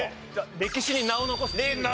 歴史に名を残すチーム。